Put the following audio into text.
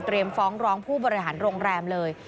ฟ้องร้องผู้บริหารโรงแรมเลย